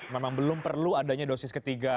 memang belum perlu adanya dosis ketiga